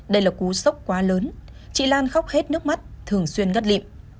đây là cú sốc quá lớn chị lan khóc hết nước mắt thường xuyên ngất lị